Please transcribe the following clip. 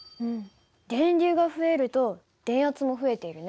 電流が増えると電圧も増えているね。